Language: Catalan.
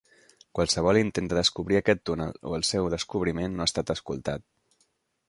Qualsevol intent de descobrir aquest túnel o el seu descobriment no ha estat escoltat.